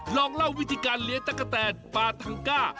ลองเล่าวิธีการเลี้ยงตะกะแตนปาทังก้า